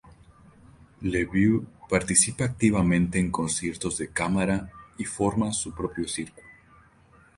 Le Beau participa activamente en conciertos de cámara y forma su propio círculo.